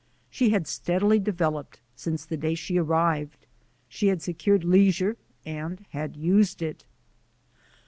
She had steadily developed since the day she ar rived. She had secured leisure and had used it.